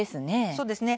そうですね。